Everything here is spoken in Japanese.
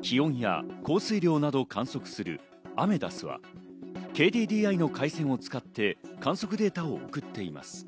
気温や降水量などを観測するアメダスはＫＤＤＩの回線を使って観測データを送っています。